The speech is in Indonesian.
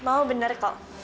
mau bener kok